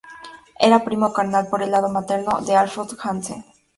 Era primo carnal, por el lado materno, de Alf Scott-Hansen.